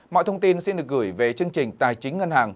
mọi thông tin xin được gửi về chương trình tài chính ngân hàng